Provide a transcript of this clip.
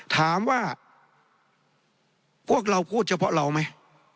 ถามว่าพวกเราพูดเฉพาะเราไหม